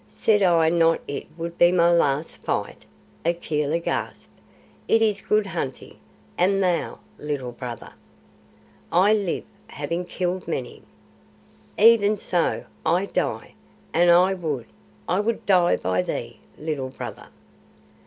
"Said I not it would be my last fight?" Akela gasped. "It is good hunting. And thou, Little Brother?" "I live, having killed many." "Even so. I die, and I would I would die by thee, Little Brother."